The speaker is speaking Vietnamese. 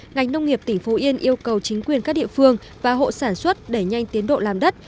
ngành nông nghiệp tỉnh phú yên yêu cầu chính quyền các địa phương và hộ sản xuất đẩy nhanh tiến độ làm đất